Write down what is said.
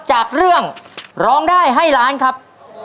จากเรื่องร้องได้ให้ล้านครับ